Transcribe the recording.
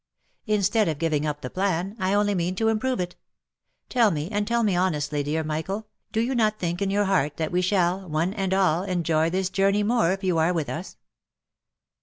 Instead of giving up the plan, I only mean to improve it. Tell me, and tell me honestly, dear Michael, do you not think in your heart that we shall, one and all, enjoy this journey more if you are with us